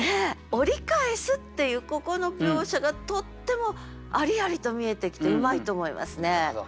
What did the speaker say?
「折りかへす」っていうここの描写がとってもありありと見えてきてうまいと思いますね。